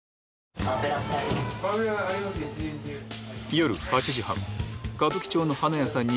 夜８時半歌舞伎町の花屋さんに